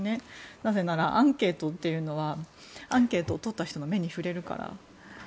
なぜならアンケートというのはアンケートを取った人の目に触れるから。